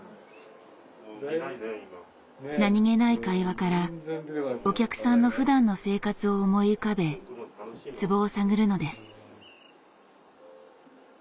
何気ない会話からお客さんのふだんの生活を思い浮かべツボを探るのです。